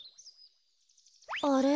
あれ？